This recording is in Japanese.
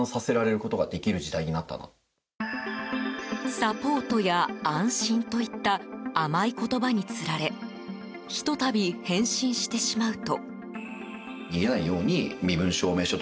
サポートや安心といった甘い言葉につられひと度、返信してしまうと。